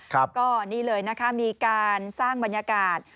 ก็นี่เลยนะคะมีการสร้างบรรยากาศ